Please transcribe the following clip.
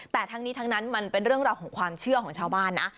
แต่ทั้งนี้ทั้งนั้นมันเป็นเรื่องราวของความเชื่อของชาวบ้านนะ